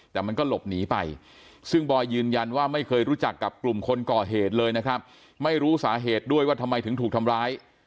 แต่มันก็หลบหนีไปซึ่งบอยยืนยันว่าไม่เคยรู้จักกับกลุ่มคนก่อเหตุเลยนะครับไม่รู้สาเหตุด้วยว่าทำไมถึงถูกทำร้าย